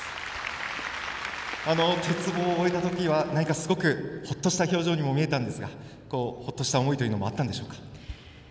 鉄棒を終えたとき何かすごくほっとした表情にも見えましたがほっとした思いもあったんでしょうか。